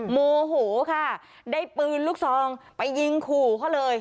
โมโหค่ะได้ปืนลูกซองไปยิงขู่เขาเลย